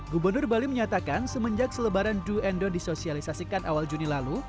gubernur bali menyatakan semenjak selebaran do and down disosialisasikan awal juni lalu